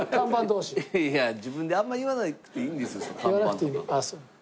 いや自分であんまり言わなくていいんです看板とか。